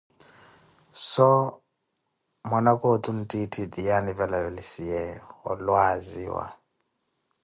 so mwanaka otu nttiitthi tiye anivelavelisiyeeyo olwaziwa.